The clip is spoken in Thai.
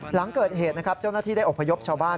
หลังเกิดเหตุนะครับเจ้าหน้าที่ได้อบพยพชาวบ้าน